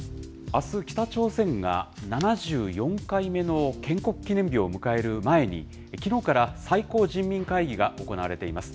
あす、北朝鮮が７４回目の建国記念日を迎える前に、きのうから最高人民会議が行われています。